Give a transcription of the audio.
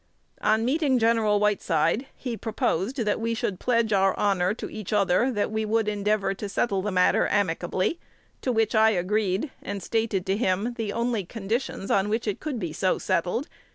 On meeting Gen. Whiteside, he proposed that we should pledge our honor to each other that we would endeavor to settle the matter amicably; to which I agreed, and stated to him the only conditions on which it could be so settled; viz.